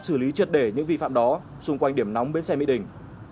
xử lý triệt đề những vi phạm đó xung quanh điểm nóng bến xe mỹ đình